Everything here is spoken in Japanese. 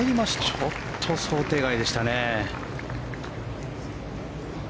ちょっと想定外でしたね。